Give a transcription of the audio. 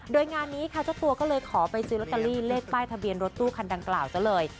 โดยงานนี้ค่ะเจ้าตัวก็เลยขอไปซื้อลอตเตอรี่เลขป้ายทะเบียนรถตู้คันดังกล่าวซะเลย